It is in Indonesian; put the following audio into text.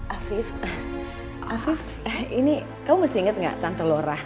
afif afif ini kamu masih inget gak tante laura